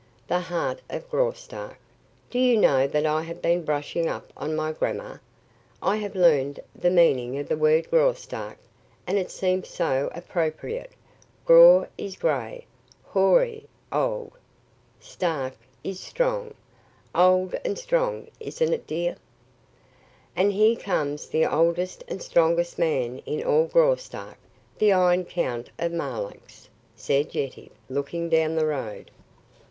"The heart of Graustark. Do you know that I have been brushing up on my grammar? I have learned the meaning of the word 'Graustark,' and it seems so appropriate. Grau is gray, hoary, old; stark is strong. Old and strong isn't it, dear?" "And here rides the oldest and strongest man in all Graustark the Iron Count of Marlanx," said Yetive, looking down the road.